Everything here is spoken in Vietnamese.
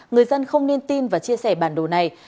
người dân không nên tin và chia sẻ bản đồ này